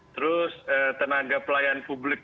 terus tenaga pelayan publik